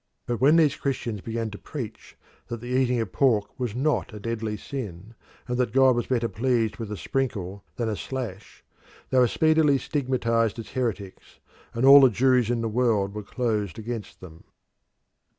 But when these Christians began to preach that the eating of pork was not a deadly sin, and that God was better pleased with a sprinkle than a slash, they were speedily stigmatised as heretics, and all the Jewries in the world were closed against them.